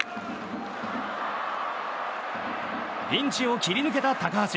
ピンチを切り抜けた高橋。